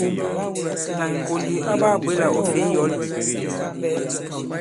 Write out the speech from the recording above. Tà ì-ŋ̀kò ndì ɔ baa-bwě là ɔ̌ fè i yɔ̌l ì?